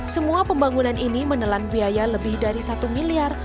semua pembangunan ini menelan biaya lebih dari satu miliar